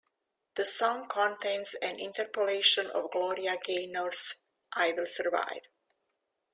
The song contains an interpolation of Gloria Gaynor's "I Will Survive".